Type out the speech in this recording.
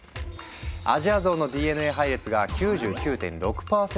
アジアゾウのＤＮＡ配列が９９．６％